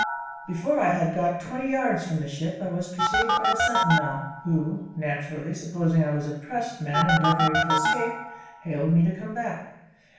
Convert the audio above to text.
Before I had got twenty yards from the ship, I was perceived by the sentinel, who, naturally supposing I was a pressed man endeavouring to escape, hailed me to come back.